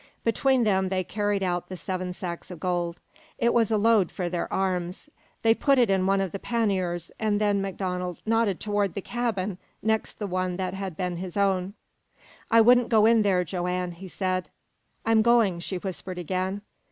Between them they carried out the seven sacks of gold. It was a load for their arms. They put it in one of the panniers, and then MacDonald nodded toward the cabin next the one that had been his own. "I wouldn't go in there, Joanne," he said. "I'm going," she whispered again.